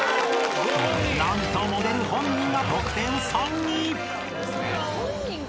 ［何とモデル本人が得点３位］